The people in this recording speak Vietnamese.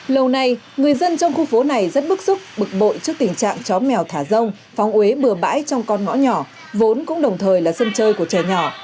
lâu nay người dân trong khu phố này rất bức xúc bực bội trước tình trạng chó mèo thả rông phóng huế bừa bãi trong con ngõ nhỏ vốn cũng đồng thời là sân chơi của trẻ nhỏ